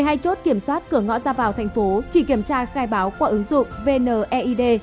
hai chốt kiểm soát cửa ngõ ra vào thành phố chỉ kiểm tra khai báo qua ứng dụng vneid